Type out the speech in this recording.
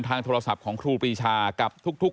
โทรศัพท์ของครูปรีชากับทุก